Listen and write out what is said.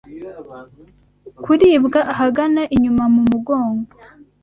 kuribwa ahagana inyuma mu mugong